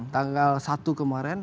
tanggal satu kemarin